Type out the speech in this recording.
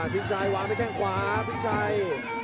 ภิกรอะไรแหล่ะอะไร